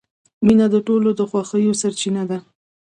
• مینه د ټولو خوښیو سرچینه ده.